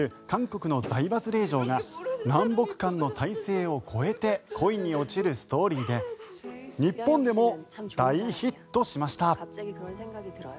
韓国の財閥令嬢が南北間の体制を超えて恋に落ちるストーリーで日本でも大ヒットしました。